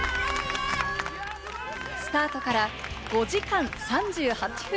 スタートから５時間３８分。